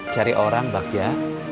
cari orang bak ya